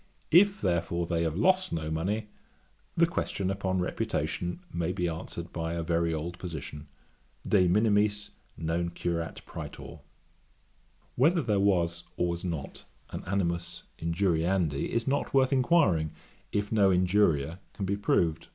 If, therefore, they have lost no money, the question upon reputation may be answered by a very old position, De minimis non curat Praetor. 'Whether there was, or was not, an animus injuriandi, is not worth inquiring, if no injuria can be proved.